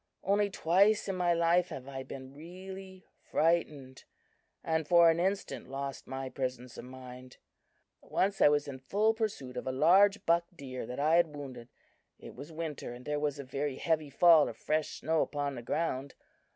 Only twice in my life have I been really frightened, and for an instant lost my presence of mind. "Once I was in full pursuit of a large buck deer that I had wounded. It was winter, and there was a very heavy fall of fresh snow upon the ground.